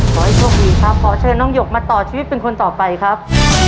ขอให้โชคดีครับขอเชิญน้องหยกมาต่อชีวิตเป็นคนต่อไปครับ